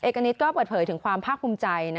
กณิตก็เปิดเผยถึงความภาคภูมิใจ